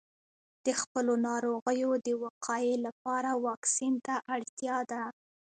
د خپلو ناروغیو د وقایې لپاره واکسین ته اړتیا ده.